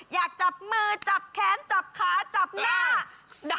อยากจับมือจับแขนจับขาจับหน้า